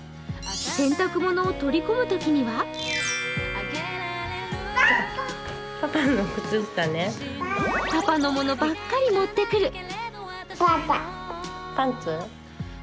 洗濯物を取り込むときにはパパのものばっかり持ってくる。